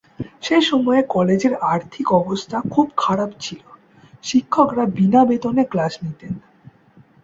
সেসময়ে কলেজের আর্থিক অবস্থা খুব খারাপ ছিল, শিক্ষকরা বিনা বেতনে ক্লাস নিতেন।